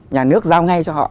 nhà nước giao ngay cho họ